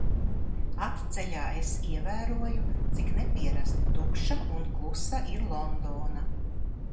Atceļā es ievēroju, cik nepierasti tukša un klusa ir Londona.